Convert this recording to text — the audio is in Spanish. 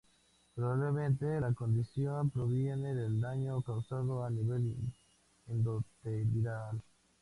Probablemente, la condición proviene del daño causado a nivel endotelial.